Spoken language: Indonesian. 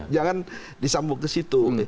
jangan disambung ke situ